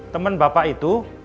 teman bapak itu